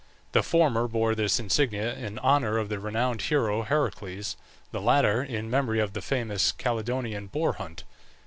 The former bore this insignia in honour of the renowned hero Heracles, the latter in memory of the famous Calydonian boar hunt.